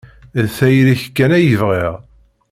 D tayri-k kan ay bɣiɣ.